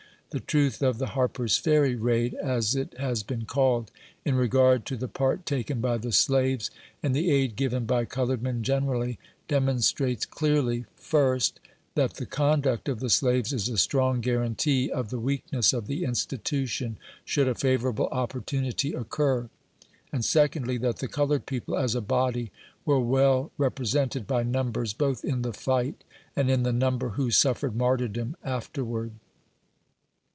The truth of the Harper's Ferry " raid," as it has been called, in regard to the part taken by the slaves, and the aid given by colored men generally, demonstrates clearly : First, that the conduct of the slaves is a strong guarantee of the weakness of the institution, should a favorable opportunity occur ; and, secondly, that the colored people, as a body, were well repre sented by numbers, both in the fight, and in the number who suffered martyrdom afterward.